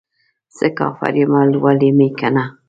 څه کافر یمه ، لولی مې کنه